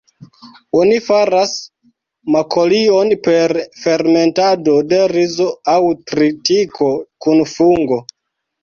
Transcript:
Oni faras makolion per fermentado de rizo aŭ tritiko kun fungo.